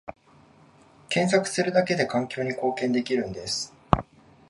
検索するだけで環境に貢献できるんです